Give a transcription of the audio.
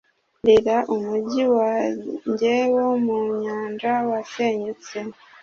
rira umujyi wanjye wo mu nyanja wasenyutse.